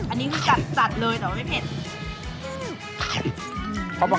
อันนี้คือจัดเลยแต่ว่าไม่เผ็ด